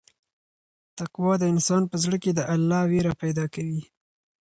تقوا د انسان په زړه کې د الله وېره پیدا کوي.